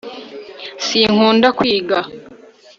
sinkunda kwiga